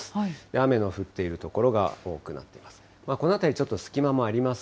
雨の降っている所が多くなっています。